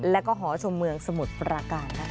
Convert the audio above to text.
แล้วก็หอชมเมืองสมุทรประการนะคะ